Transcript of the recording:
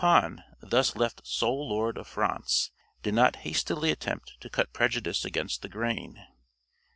[TN]] Pepin, thus left sole lord of France, did not hastily attempt to cut prejudice against the grain.